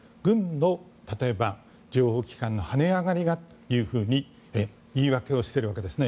例えば、軍の情報機関の跳ね上がりがというふうに言い訳をしているわけですね。